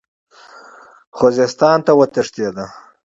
خوزستان ته وتښتېد.